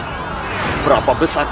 aku tidak percaya